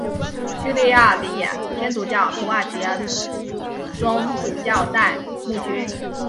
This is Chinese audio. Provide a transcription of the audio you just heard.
叙利亚礼天主教土耳其宗主教代牧区。